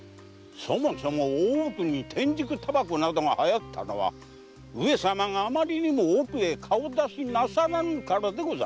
そもそも大奥に天竺煙草などが流行ったのは上様があまりにも奥へ顔出しなさらぬからでございますぞ。